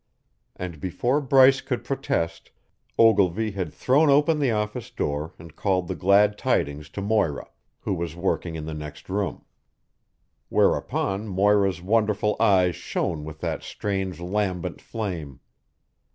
And before Bryce could protest, Ogilvy had thrown open the office door and called the glad tidings to Moira, who was working in the next room; whereupon Moira's wonderful eyes shone with that strange lambent flame.